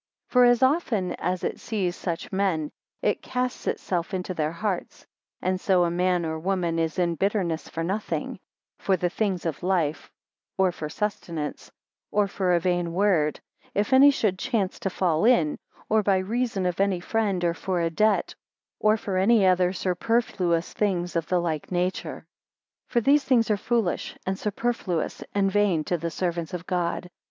12 For as often as it sees such men, it casts itself into their hearts; and so a man or woman is in bitterness for nothing: for the things of life, or for sustenance, or for a vain word, if any should chance to fall in; or by reason of any friend, or for a debt, or for any other superfluous things of the like nature. 13 For these things are foolish, and superfluous, and vain to the servants of God.